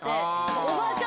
おばあちゃん